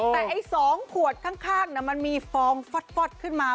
แต่ไอ้๒ขวดข้างมันมีฟองฟอดขึ้นมา